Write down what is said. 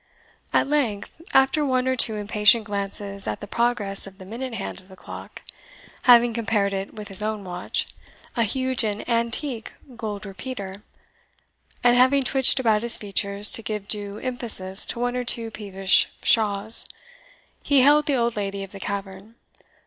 At length, after one or two impatient glances at the progress of the minute hand of the clock, having compared it with his own watch, a huge and antique gold repeater, and having twitched about his features to give due emphasis to one or two peevish pshaws, he hailed the old lady of the cavern.